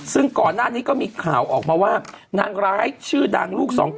ซึ่งก่อนหน้านี้ก็มีข่าวออกมาว่านางร้ายชื่อดังลูกสองคน